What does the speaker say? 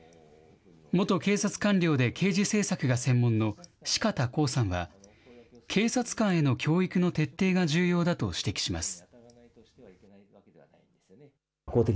元警察官僚で、刑事政策が専門の四方光さんは、警察官への教育の徹底が重要だと指摘します。